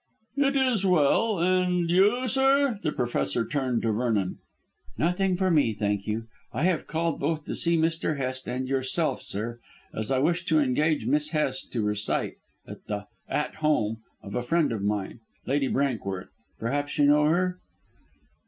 "It is well. And you, sir?" The Professor turned to Vernon. "Nothing for me, thank you. I have called both to see Mr. Hest and yourself, sir, as I wish to engage Miss Hest to recite at the 'At Home' of a friend of mine. Lady Brankworth. Perhaps you know her?"